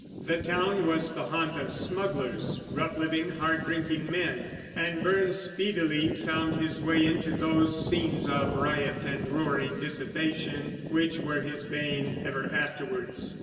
The town was the haunt of smugglers, rough living, hard drinking men; and Burns speedily found his way into those scenes of "riot and roaring dissipation" which were his bane ever afterwards.